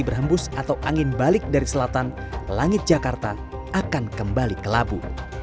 berhembus atau angin balik dari selatan langit jakarta akan kembali ke labu